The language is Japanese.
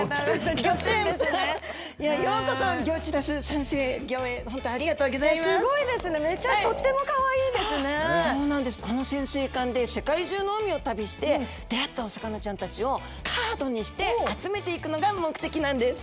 この潜水艦で世界中の海を旅して出会ったお魚ちゃんたちをカードにして集めていくのが目的なんです！